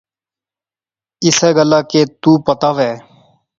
اسے گلاہ کہ تو پتہ وہے